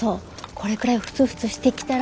これくらいフツフツしてきたら。